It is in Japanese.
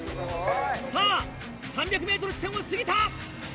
さあ、３００メートル地点を過ぎた！